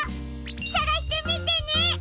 さがしてみてね！